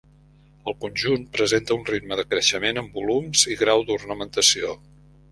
El conjunt presenta un ritme de creixement en volums i grau d'ornamentació.